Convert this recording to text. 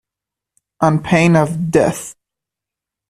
On pain of death.